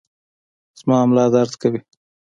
زما ملا درد کوي